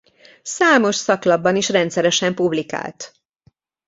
Számos szaklapban is rendszeresen publikált.